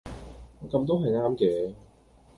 噉都係啱嘅